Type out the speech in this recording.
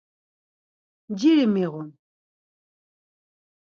Nciri miğun.